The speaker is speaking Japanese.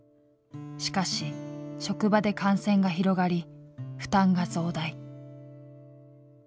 しかし職場で感染が広がり負担が増大。